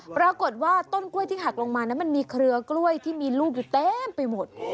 ปรากฏว่าต้นกล้วยที่หักลงมานั้นมันมีเครือกล้วยที่มีลูกอยู่เต็มไปหมด